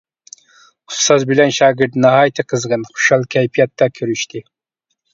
ئۇستاز بىلەن شاگىرت ناھايىتى قىزغىن، خۇشال كەيپىياتتا كۆرۈشتى.